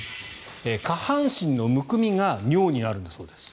下半身のむくみが尿になるんだそうです。